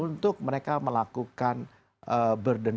untuk mereka melakukan berhutang